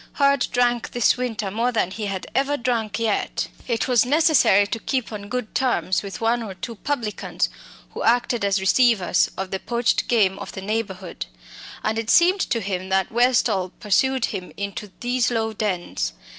Hurd drank this winter more than he had ever drunk yet. It was necessary to keep on good terms with one or two publicans who acted as "receivers" of the poached game of the neighbourhood. And it seemed to him that Westall pursued him into these low dens.